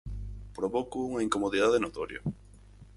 Provoco unha incomodidade notoria.